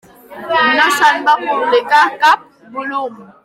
No se'n va publicar cap volum.